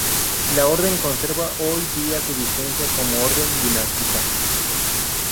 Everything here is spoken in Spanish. La Orden conserva hoy día su vigencia como Orden dinástica.